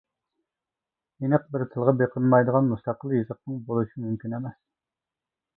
ئېنىق بىر تىلغا بېقىنمايدىغان مۇستەقىل يېزىقنىڭ بولۇشى مۇمكىن ئەمەس.